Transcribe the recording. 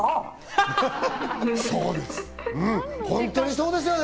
そうですね。